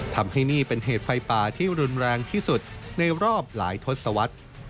ทำให้นี่เป็นเหตุไฟป่าที่รุนแรงที่สุดในรอบหลายทศวรรษ